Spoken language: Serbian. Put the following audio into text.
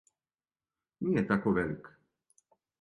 Није тако велик.